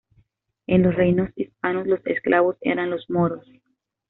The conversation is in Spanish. En los reinos hispanos los esclavos eran los moros.